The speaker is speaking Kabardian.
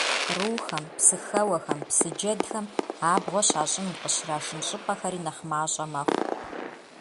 Кърухэм, псыхэуэхэм, псы джэдхэм абгъуэ щащӀын, къыщрашын щӀыпӀэхэри нэхъ мащӀэ мэхъу.